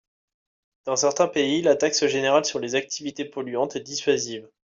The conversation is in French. Dans certains pays, la taxe générale sur les activités polluantes est dissuasive.